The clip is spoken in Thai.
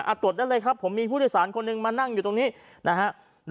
ตรวจได้เลยครับผมมีผู้โดยสารคนหนึ่งมานั่งอยู่ตรงนี้นะฮะ